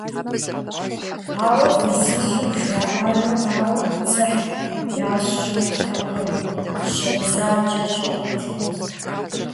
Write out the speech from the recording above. Ауэ фызыжьым жраӀэнӀауэ дзыхь ящӀыртэкъым, жьэ бзаджэ щӀэтти.